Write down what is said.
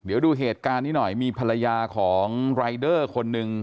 เดี๋ยวดูเหตุการณ์นี้หน่อยมีภรรยาของรายเดอร์คนหนึ่ง